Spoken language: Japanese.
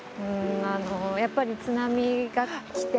やっぱり津波が来て。